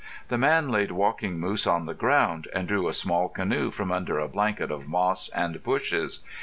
The man laid Walking Moose on the ground and drew a small canoe from under a blanket of moss and bushes.